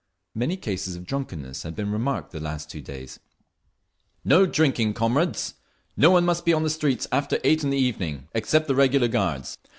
Many cases of drunkenness had been remarked the last two days. "No drinking, comrades! No one must be on the streets after eight in the evening, except the regular guards.